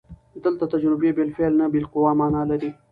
دلته تجربې بالفعل نه، بالقوه مانا لري.